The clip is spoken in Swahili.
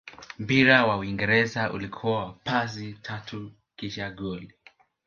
mpira wa uingereza ulikuwa wa pasi tatu kisha goli